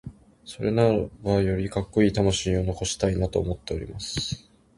それならば、よりカッコイイ魂を残したいなと思っています。